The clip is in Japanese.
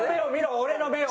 俺の目を！